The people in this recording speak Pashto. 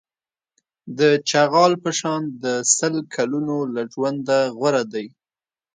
د چغال په شان د سل کلونو له ژونده غوره دی.